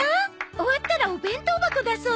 終わったらお弁当箱出そうね。